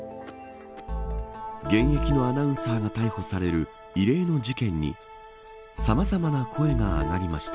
現役のアナウンサーが逮捕される異例の事件にさまざまな声が上がりました。